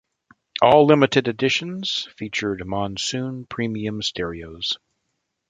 All limited editions featured Monsoon premium stereos.